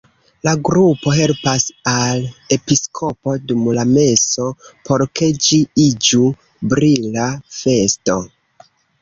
La grupo helpas al episkopo dum la meso, por ke ĝi iĝu brila festo.